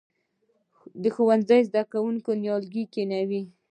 د ښوونځي زده کوونکي نیالګي کینوي؟